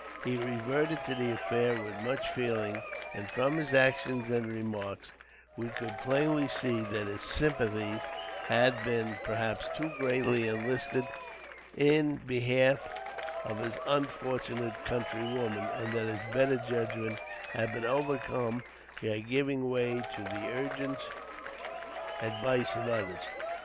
He reverted to the affair with much feeling, and from his actions and remarks, we could plainly see that his sympathies had been, perhaps, too greatly enlisted in behalf of his unfortunate countrywoman, and that his better judgment had been overcome by giving way to the urgent advice of others.